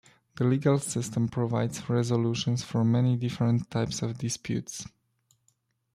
The legal system provides resolutions for many different types of disputes.